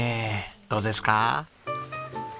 どうですか？